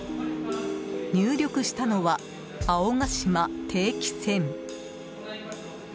入力したのは「青ヶ島定期船」。